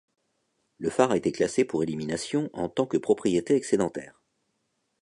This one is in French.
Le phare a été classé pour élimination en tant que propriété excédentaire.